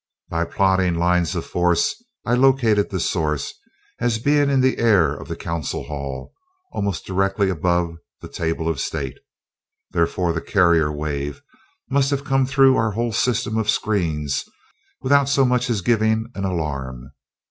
By plotting lines of force I located the source as being in the air of the council hall, almost directly above the table of state. Therefore the carrier wave must have come through our whole system of screens without so much as giving an alarm.